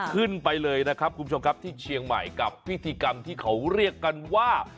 ขึ้นไปเลยนะครับคุณผู้ชมครับที่เชียงใหม่กับพิธีกรรมที่เขาเรียกกันว่า